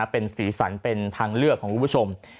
เป็นศีรษรเป็นทางเลือกของผู้ชม